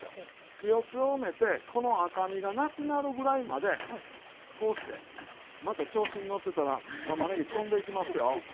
火を強めてこの赤みがなくなるぐらいまでこうしてまた調子に乗ってたらたまねぎ飛んでいきますよ。